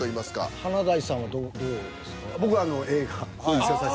華大さんはどうですか？